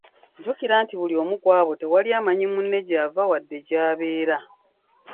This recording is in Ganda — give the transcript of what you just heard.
Jjukira nti buli omu ku abo tewali amanyi munne gy’ava wadde gy’abeera.